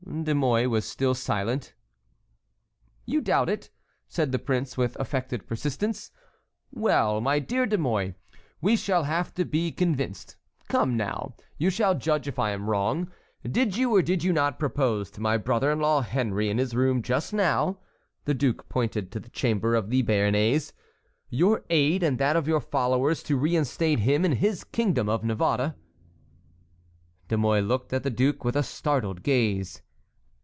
De Mouy was still silent. "You doubt it?" said the prince with affected persistence. "Well, my dear De Mouy, we shall have to be convinced. Come, now, you shall judge if I am wrong. Did you or did you not propose to my brother in law Henry, in his room just now," the duke pointed to the chamber of the Béarnais, "your aid and that of your followers to reinstate him in his kingdom of Navarre?" De Mouy looked at the duke with a startled gaze.